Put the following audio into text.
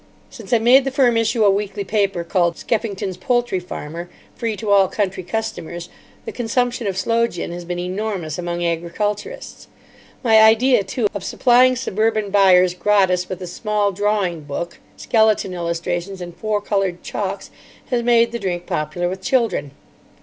Since I made the firm issue a weekly paper called Skeffington's Poultry Farmer, free to all country customers, the consumption of sloe gin has been enormous among agriculturists. My idea, too, of supplying suburban buyers gratis with a small drawing book, skeleton illustrations, and four coloured chalks, has made the drink popular with children.